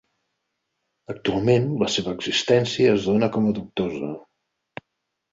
Actualment la seva existència es dóna com a dubtosa.